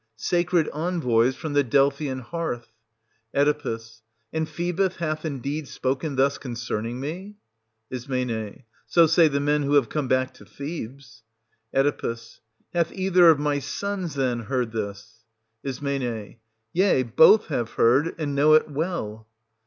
Sacred envoys, from the Delphian hearth. Oe. And Phoebus hath indeed spoken thus con cerning me } Is. So say the men who have come back to Thebes. Oe. Hath either of my sons, then, heard this ? Is, Yea, both have heard, and know it well.